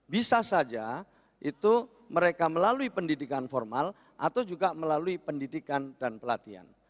bisa saja itu mereka melalui pendidikan formal atau juga melalui pendidikan dan pelatihan